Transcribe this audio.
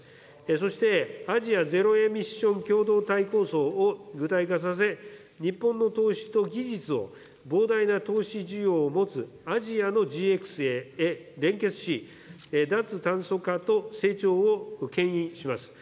そして、アジアゼロエミッション構想を具体化させ、日本の投資と技術を膨大な投資需要を持つアジアのＧＸへ連結し、脱炭素化と成長をけん引します。